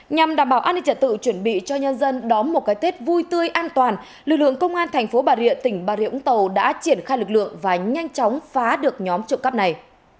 nhằm đảm bảo an ninh trả tự chuẩn bị cho nhân dân đón một cái tết vui tươi an toàn lực lượng công an thành phố bà rịa tỉnh bà rịa úng tàu đã triển khai lực lượng và nhanh chóng phá được nhóm trộm cắp này